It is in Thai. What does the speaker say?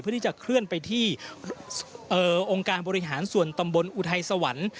เพื่อที่จะเคลื่อนไปที่องค์การบริหารส่วนตำบลอุทัยสวรรค์